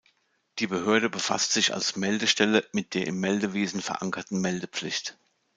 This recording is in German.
Die Behörde befasst sich als Meldestelle mit der im Meldewesen verankerten Meldepflicht.